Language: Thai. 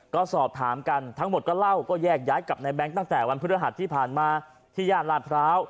ก็สอบถามกันทั้งหมดก็เล่าก็แยกย้ายกับในแง๊งตั้งแต่วันพฤหัสที่ผ่านมาที่ย่านลาดพร้าว